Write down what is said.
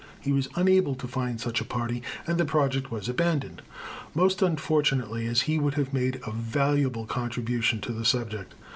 He was unable to find such a party, and the project was abandoned, most unfortunately, as he would have made a valuable contribution to the subject.